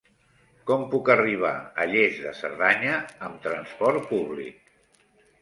Com puc arribar a Lles de Cerdanya amb trasport públic?